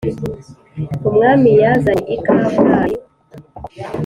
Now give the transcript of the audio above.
umwami yazanye i kabgayi